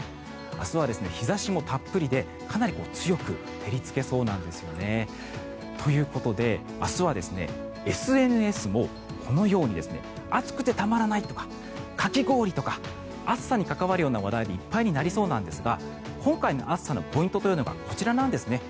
明日は日差しもたっぷりでかなり強く照りつけそうなんですよね。ということで、明日はＳＮＳもこのように暑くてたまらないとかかき氷とか暑さに関わるような話題でいっぱいになりそうなんですが今回の暑さのポイントというのがこちらなんです。